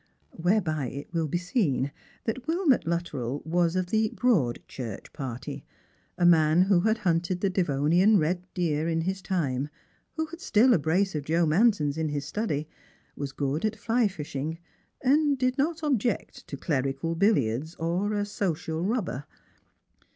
Whereby it will be seen that Wilmot LTittrell was of the Broad Church party — a man who had hunted the Devonian red deer in his time, who had still a brace of Joe Manton's in hia study, was good at fly fishing, and did not object to clerical billiards or a social rubber.